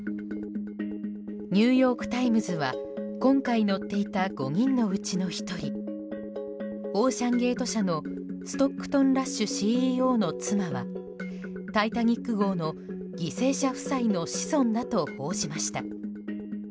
ニューヨーク・タイムズは今回乗っていた５人のうちの１人オーシャン・ゲート社のストックトン・ラッシュＣＥＯの妻は「タイタニック号」の犠牲者夫妻の子孫だと報じました。